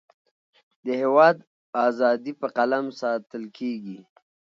د هیواد اذادی په قلم ساتلکیږی